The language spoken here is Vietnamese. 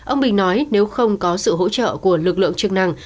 ông bình nói nếu không có sự hỗ trợ của lực lượng chức năng